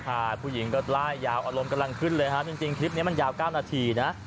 ผู้หญิงก็ไล่ยาวอารมณ์กำลังขึ้นเลยฮะจริงคลิปนี้มันยาว๙นาทีนะ